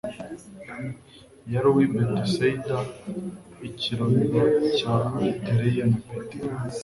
Yari uw'i Betsaida, ikirorero cya Aridereya na Petero.